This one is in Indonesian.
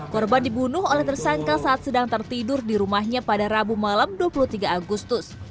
korban dibunuh oleh tersangka saat sedang tertidur di rumahnya pada rabu malam dua puluh tiga agustus